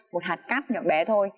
một hạt cắt nhỏ bé thôi